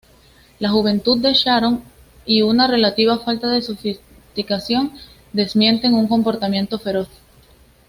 La juventud de Sharon y una relativa falta de sofisticación desmienten un comportamiento feroz.